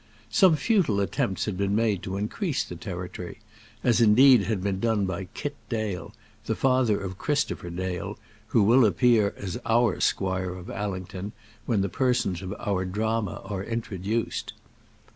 Some futile attempts had been made to increase the territory, as indeed had been done by Kit Dale, the father of Christopher Dale, who will appear as our squire of Allington when the persons of our drama are introduced.